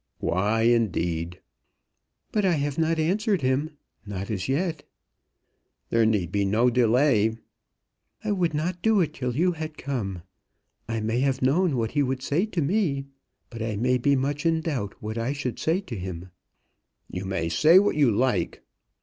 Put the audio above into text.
"Why, indeed?" "But I have not answered him; not as yet." "There need be no delay." "I would not do it till you had come. I may have known what he would say to me, but I may be much in doubt what I should say to him." "You may say what you like."